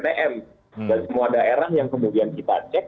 dan semua daerah yang kemudian kita cek